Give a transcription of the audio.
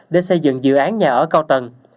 để xây dựng dự án nhà ở cao tầng